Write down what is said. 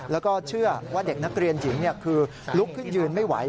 แล้วก็เชื่อว่าเด็กนักเรียนหญิงคือลุกขึ้นยืนไม่ไหว